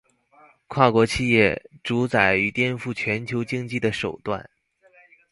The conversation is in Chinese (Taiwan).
跨國企業主宰與顛覆全球經濟的手段